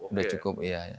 udah cukup ya